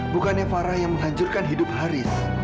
bukannya farah yang menghancurkan hidup haris